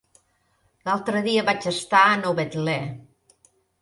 L'altre dia vaig estar a Novetlè.